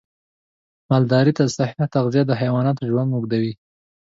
مالدارۍ ته صحي تغذیه د حیواناتو ژوند اوږدوي.